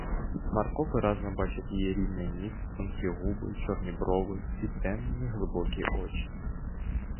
Марко виразно бачив її рівний ніс, тонкі губи, чорні брови і темні глибокі очі.